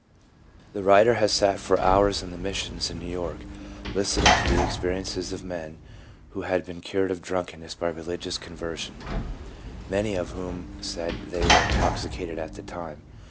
295 The writer has sat for hours in the missions in New York, listening to the experiences of men who had been cured of drunkenness by religious con version, many of whom said they were intoxicated at the time.